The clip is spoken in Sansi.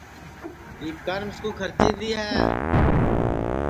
دیپکان مِسکُو کھرچی دؔی ہے